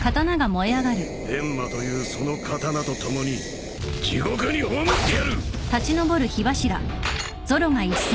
閻魔というその刀とともに地獄に葬ってやる！